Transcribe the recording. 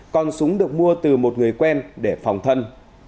còn súng được mua từ một người quen để phòng thân